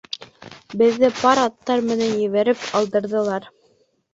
Беҙҙе пар аттар менән ебәреп алдырҙылар...